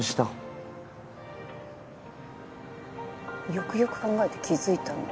よくよく考えて気付いたの。